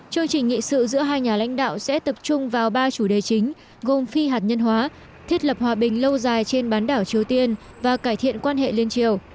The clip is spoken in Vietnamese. chương trình nghị sự giữa hai nhà lãnh đạo sẽ tập trung vào ba chủ đề chính gồm phi hạt nhân hóa thiết lập hòa bình lâu dài trên bán đảo triều tiên và cải thiện quan hệ liên triều